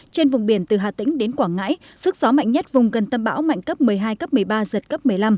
trên vùng biển từ hà tĩnh đến quảng ngãi sức gió mạnh nhất vùng gần tâm bão mạnh cấp một mươi hai cấp một mươi ba giật cấp một mươi năm